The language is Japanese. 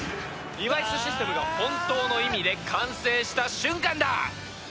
リバイスシステムが本当の意味で完成した瞬間だ！